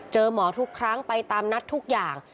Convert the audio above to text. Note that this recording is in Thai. หมอทุกครั้งไปตามนัดทุกอย่าง